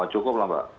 cukup lah mbak